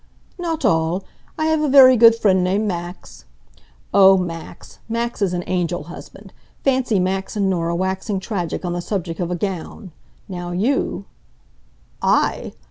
"Not all. I have a very good friend named Max " "O, Max! Max is an angel husband. Fancy Max and Norah waxing tragic on the subject of a gown! Now you " "I?